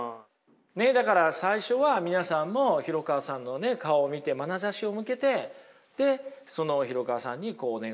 だから最初は皆さんも廣川さんの顔を見てまなざしを向けてでその廣川さんにお願いされた。